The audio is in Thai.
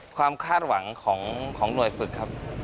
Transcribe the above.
ความคาดหวังของหน่วยฝึกครับ